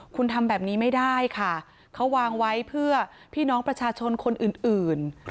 คุณทำแบบนี้ไม่ได้ค่ะเขาวางไว้เพื่อพี่น้องประชาชนคนอื่น